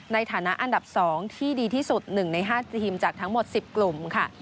ในฐานะอันดับ๒ที่ดีที่สุด๑ใน๕ทีมจากทั้งหมด๑๐กลุ่มค่ะ